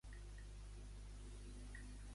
Quin fet va ser possible arran de l'ajuda de Ponsatí?